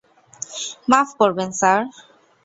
মাফ করবেন, স্যার।